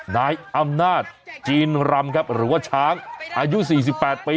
นายอำนาจจีนรำครับหรือว่าช้างอายุ๔๘ปี